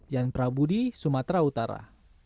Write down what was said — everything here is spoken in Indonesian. jan prabudi sumatera utara